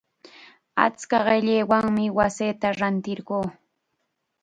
Achka qillaywanmi wasita rantirquu.